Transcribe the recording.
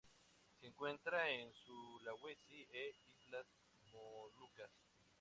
Se encuentra en Sulawesi e Islas Molucas.